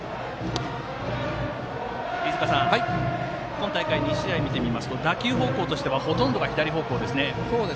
今大会、２試合見てみますと打球方向としてはほとんどが左方向ですね。